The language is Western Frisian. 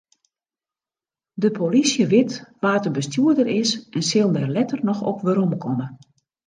De polysje wit wa't de bestjoerder is en sil dêr letter noch op weromkomme.